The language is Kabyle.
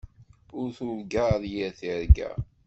Ur turgaḍ yir tirga.